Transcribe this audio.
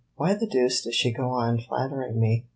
"Why the deuce does she go on flattering me?